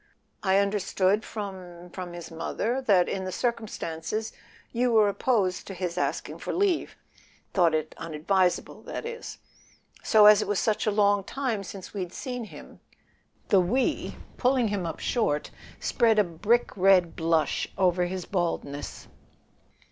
"I understood from—from his mother that, in the circumstances, you were opposed to his asking for leave; thought it unadvisable, that is. So, as it was such a long time since we'd seen him " The "we," pulling him up short, spread a brick red blush over his baldness.